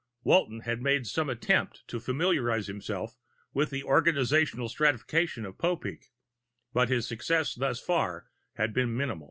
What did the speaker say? Walton had made some attempt to familiarize himself with the organizational stratification of Popeek, but his success thus far had been minimal.